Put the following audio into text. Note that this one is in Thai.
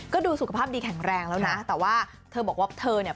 ก็ดูสุขภาพดีแข็งแรงแล้วนะแต่ว่าเธอบอกว่าเธอเนี่ย